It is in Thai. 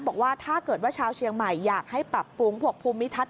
บอกว่าถ้าเกิดว่าชาวเชียงใหม่อยากให้ปรับปรุงพวกภูมิทัศน